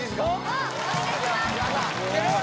あっお願いします